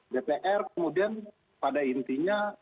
dpr kemudian pada intinya